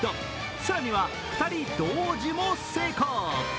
更には２人同時も成功。